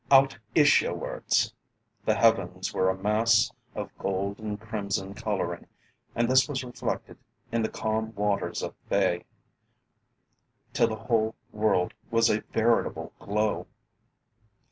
Out Ischiawards, the heavens were a mass of gold and crimson colouring, and this was reflected in the calm waters of the Bay, till the whole world was a veritable glow.